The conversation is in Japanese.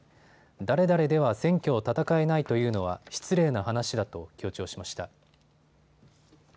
誰々では選挙を戦えないというのは失礼な話だと強調しました。